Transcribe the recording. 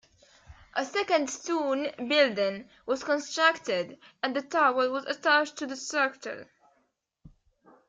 A second stone building was constructed and the tower was attached to the structure.